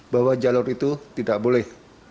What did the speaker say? bahwa jalur itu tidak boleh